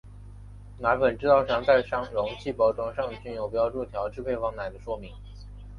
奶粉制造商在容器包装上均有标注调制配方奶的说明。